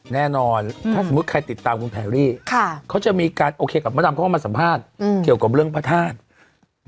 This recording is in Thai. แน่นอนถ้าสมมุติใครติดตามคุณแพรรี่เขาจะมีการโอเคกับมดดำเข้ามาสัมภาษณ์เกี่ยวกับเรื่องพระธาตุ